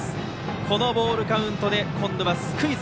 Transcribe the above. このボールカウントで今度はスクイズ。